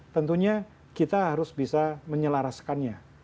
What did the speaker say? tentunya kita harus bisa menyelaraskannya